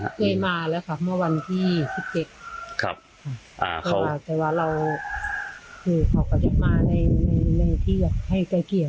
เคยมาแล้วค่ะเมื่อวันที่๑๗ก็มาแต่ว่าเราคือเขาก็ได้มาในที่ให้ไกลเกลี่ย